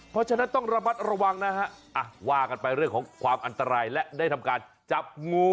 เพราะฉะนั้นต้องระบัดระวังนะครับ